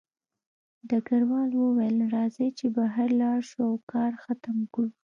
ډګروال وویل راځئ چې بهر لاړ شو او کار ختم کړو